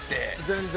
全然。